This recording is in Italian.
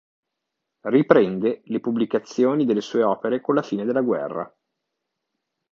Riprende le pubblicazioni delle sue opere con la fine della guerra.